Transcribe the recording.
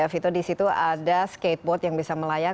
vito di situ ada skateboard yang bisa melayang